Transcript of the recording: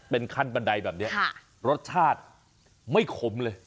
เป็นขั้นบันไดแบบนี้รสชาติไม่ขมเลย